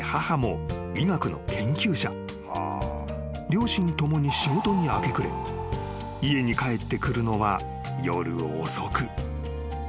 ［両親共に仕事に明け暮れ家に帰ってくるのは夜遅く］